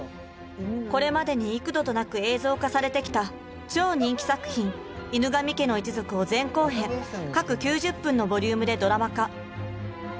これまでに幾度となく映像化されてきた超人気作品「犬神家の一族」を前後編各９０分のボリュームでドラマ化。